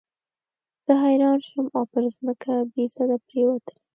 زه حیران شوم او پر مځکه بېسده پرېوتلم.